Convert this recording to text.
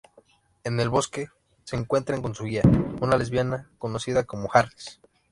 En el bosque, se encuentran con su guía, una lesbiana conocida como 'Harris'.